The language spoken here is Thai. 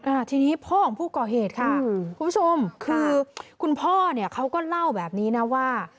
อ่าทีนี้พ่อของผู้ก่อเหตุค่ะคุณผู้ชมคือคุณพ่อเนี่ยเขาก็เล่าแบบนี้นะว่า